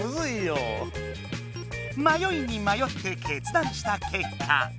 まよいにまよって決断したけっか。